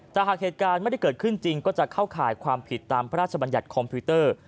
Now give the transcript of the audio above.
แต่หากเหตุการณ์ไม่ได้เกิดขึ้นจริงก็จะเข้าข่ายความผิดตามพระราชบัญญัติคอมพิวเตอร์